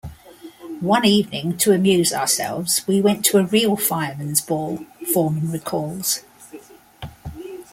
"One evening, to amuse ourselves, we went to a real firemen's ball," Forman recalls.